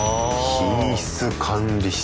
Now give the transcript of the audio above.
品質管理室。